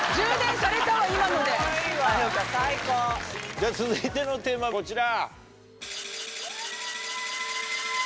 じゃ続いてのテーマこちら。